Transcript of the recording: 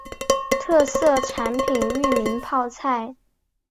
特色产品裕民泡菜。